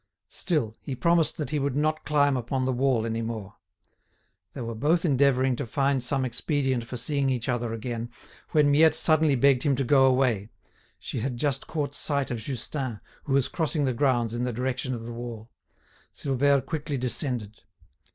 Still, he promised that he would not climb upon the wall any more. They were both endeavouring to find some expedient for seeing each other again, when Miette suddenly begged him to go away; she had just caught sight of Justin, who was crossing the grounds in the direction of the wall. Silvère quickly descended.